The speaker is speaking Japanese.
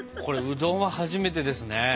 これうどんは初めてですね。